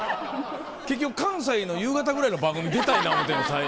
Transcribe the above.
結局関西の夕方ぐらいの番組に出たいな思うてんの最後。